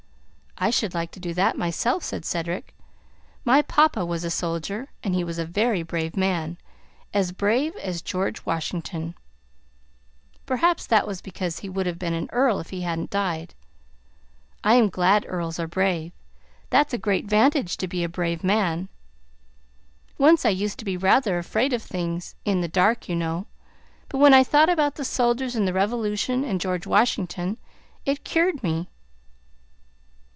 "I should like to do that myself," said Cedric. "My papa was a soldier, and he was a very brave man as brave as George Washington. Perhaps that was because he would have been an earl if he hadn't died. I am glad earls are brave. That's a great 'vantage to be a brave man. Once I used to be rather afraid of things in the dark, you know; but when I thought about the soldiers in the Revolution and George Washington it cured me."